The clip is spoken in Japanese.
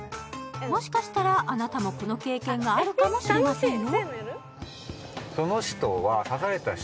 もしかしたらあなたもこの経験があるかもしれませんよ。